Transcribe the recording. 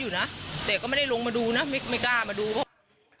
รู้สึกจะลุกมาเข้าห้องน้ำใกล้๕ทุ่มล่ะจ้ะ